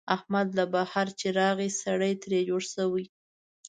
احمد له بهر چې راغی، سړی ترې جوړ شوی.